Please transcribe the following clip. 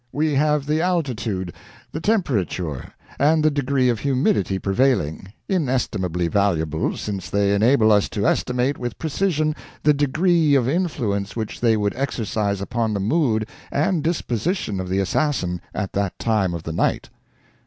We have the altitude, the temperature, and the degree of humidity prevailing inestimably valuable, since they enable us to estimate with precision the degree of influence which they would exercise upon the mood and disposition of the assassin at that time of the night."